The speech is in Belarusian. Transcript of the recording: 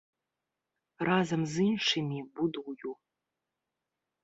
Разам з іншымі будую.